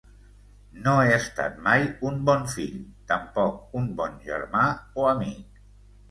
No he estat mai un bon fill, tampoc un bon germà o amic.